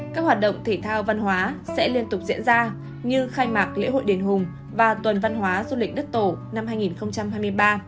các hoạt động thể thao văn hóa sẽ liên tục diễn ra như khai mạc lễ hội đền hùng và tuần văn hóa du lịch đất tổ năm hai nghìn hai mươi ba